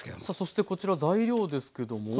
さあそしてこちら材料ですけども。